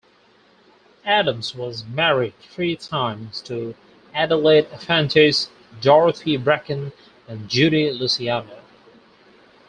Adams was married three times, to Adelaide Efantis, Dorothy Bracken, and Judy Luciano.